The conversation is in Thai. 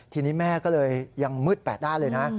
ทีนี้แม่ก็เลยยังมืด๘ด้านเลยนะ